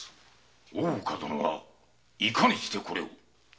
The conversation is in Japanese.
大岡殿はいかにしてこれを？